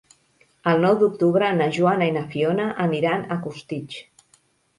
El nou d'octubre na Joana i na Fiona aniran a Costitx.